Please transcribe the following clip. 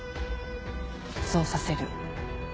そうさせる。